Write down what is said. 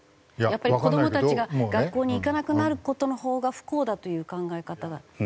やっぱり子どもたちが学校に行かなくなる事のほうが不幸だという考え方が。